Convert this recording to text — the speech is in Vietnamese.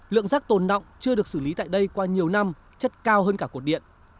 lượng rác tồn động chưa được xử lý tại đây qua nhiều năm chất cao hơn cả cột điện